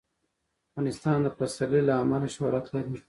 افغانستان د پسرلی له امله شهرت لري.